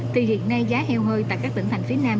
thì hiện nay giá heo hơi tại các tỉnh thành phía nam